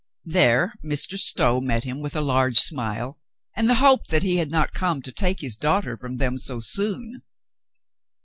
There Mr. Stow met him with a large smile and the hope that he had not come to take his daughter from them so soon.